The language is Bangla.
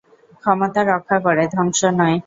ক্ষমতা রক্ষা করে, ধ্বংস নয়।